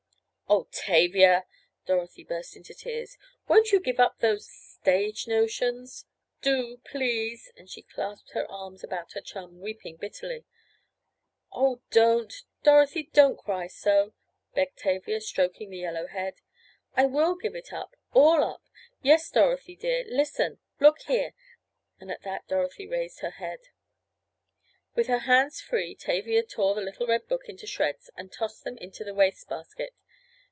"Oh, Tavia!" Dorothy burst into tears. "Won't you give up—those stage notions? Do, please!" and she clasped her arms about her chum, weeping bitterly. "Oh, don't! Dorothy don't cry so!" begged Tavia, stroking the yellow head. "I will give it up—all up! Yes, Dorothy, dear, listen! Look here!" and at that Dorothy raised her head. With her hands free Tavia tore the little red book into shreds and tossed them into the waste basket.